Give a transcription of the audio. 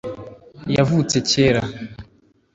Yavutse cyera.